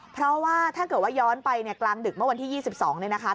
เพราะว่าถ้าเกิดว่าย้อนไปเนี่ยกลางดึกเมื่อวันที่๒๒เนี่ยนะคะ